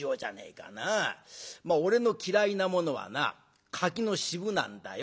まあ俺の嫌いなものはな柿の渋なんだよ。